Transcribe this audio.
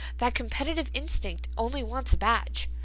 That competitive instinct only wants a badge.